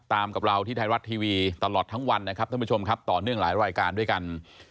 กับเราที่ไทยรัฐทีวีตลอดทั้งวันนะครับท่านผู้ชมครับต่อเนื่องหลายรายการด้วยกัน